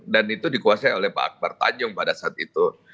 dan itu dikuasai oleh pak akbar tanjung pada saat itu